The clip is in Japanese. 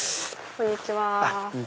こんにちは。